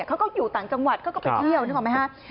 เขาก็อยู่ต่างจังหวัดเขาก็ไปเที่ยวนึกออกไหมฮะ